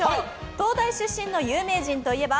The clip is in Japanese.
東大出身の有名人といえば？